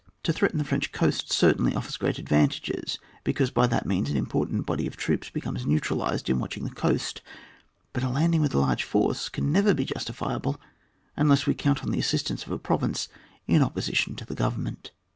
To threaten the French coast certainly offers great advantages, because by that means an important body of troops be comes neutraUsed in watching the cotust, but a landing with a large force can never be justifiable unless we can count on the assistance of a province in opposition to the Government.